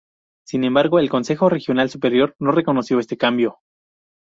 Sin embargo el consejo regional superior no reconoció este cambio.